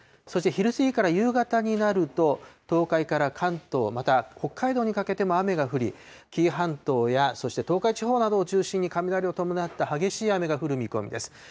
そして昼過ぎから夕方になると、東海から関東、また北海道にかけても雨が降り、紀伊半島やそして東海地方などを中心に雷を伴った激しい雨が降る見込みです。